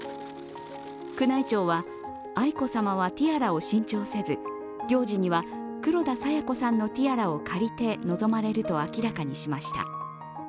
宮内庁は、愛子さまはティアラを新調せず、行事には黒田清子さんのティアラを借りて臨まれると明らかにしました。